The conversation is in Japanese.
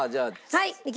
はい！